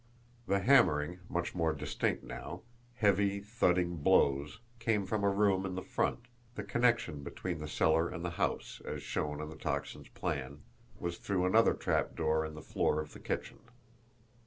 The hammering, much more distinct now, heavy, thudding blows, came from a room in the front the connection between the cellar and the house, as shown on the Tocsin's plan, was through another trapdoor in the floor of the kitchen.